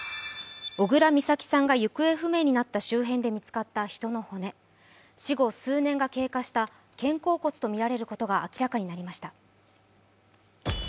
小倉美咲さんが行方不明になった周辺で見つかった人の骨、死後数年が経過した肩甲骨とみられることが明らかになりました。